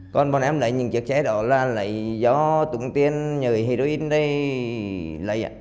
còn bọn em lấy những chiếc cháy đó là lấy do tuần tiên nhờ heroin đây lấy